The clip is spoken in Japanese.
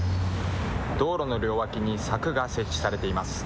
道路の両脇に柵が設置されています。